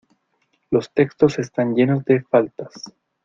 Los textos están llenos de faltas.